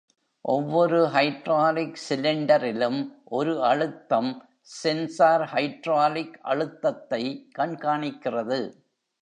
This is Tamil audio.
ஒவ்வொரு ஹைட்ராலிக் சிலிண்டரிலும், ஒரு அழுத்தம் சென்சார் ஹைட்ராலிக் அழுத்தத்தை கண்காணிக்கிறது.